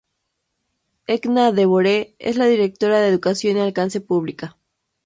Edna DeVore es la Directora de Educación y Alcance Público.